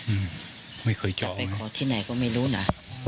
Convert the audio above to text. อืมไม่เคยจับจะไปขอที่ไหนก็ไม่รู้นะ